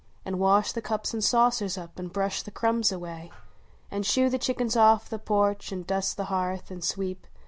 An wash the cups an saucers up, an brush the cruinhs away, An shoo the chickens off the porch, an dust the hearth, an sweep.